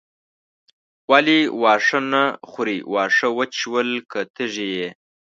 ولې واښه نه خورې واښه وچ شول که تږې یې.